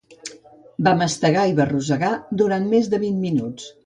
Va mastegar i va rossegar durant més de vint minuts.